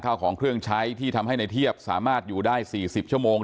ข้าวของเครื่องใช้ที่ทำให้ในเทียบสามารถอยู่ได้๔๐ชั่วโมง